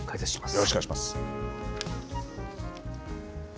よろしくお願いします。